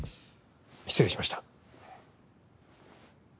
失礼しました。